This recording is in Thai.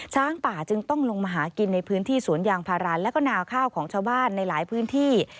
ช้างป่าจึงต้องลงมาหากินในพื้นที่สวนยางพาราและก็นาข้าวของชาวบ้านในหลายพื้นที่